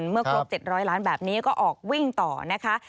เมื่อครบ๗๐๐ล้านแบบนี้ก็ออกวิ่งต่อนะคะ